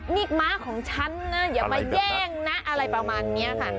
นี่ม้าของฉันนะอย่ามาแย่งนะอะไรประมาณนี้ค่ะ